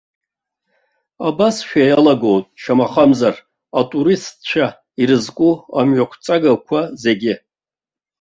Абасшәа иалагоит, шамахамзар, атуристцәа ирызку амҩақәҵагақәа зегьы.